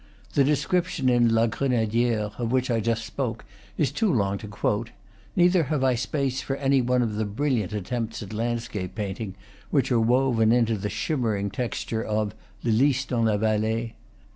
The description in "La Grenadiere," of which I just spoke, is too long to quote; neither have I space for any one of the brilliant attempts at landscape paint ing which are woven into the shimmering texture of "Le Lys dans la Vallee."